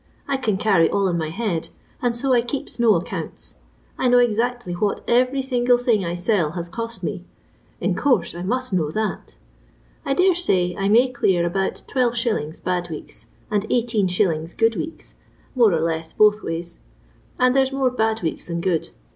I can carry all in my head, and so I keeps no accounts. I know exactly what every single thing I sell has cost me. In course I must know thai. I dare say I may clear about \2». bad weeks, and I85. good weeks, more and less both ways, and there's more bad wseks than good.